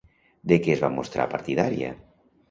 De què es va mostrar partidària?